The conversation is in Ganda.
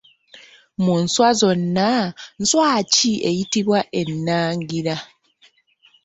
Mu nswa zonna, nswa ki eyitibwa ennangira?